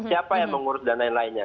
siapa yang mengurus dan lain lainnya